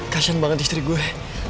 kasian banget istri gue